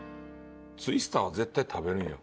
ツイスターは絶対食べるんよ。